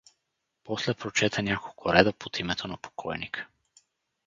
После прочете няколко реда под името на покойника.